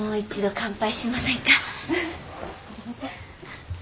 乾杯！